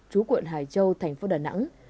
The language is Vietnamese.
trú quận hải châu thành phố đà nẵng